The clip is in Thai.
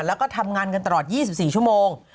แล้วก็ทำงานกันตลอด๒๔ชั่วโมง